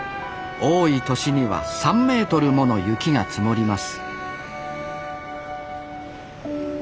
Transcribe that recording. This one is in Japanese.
多い年には３ｍもの雪が積もります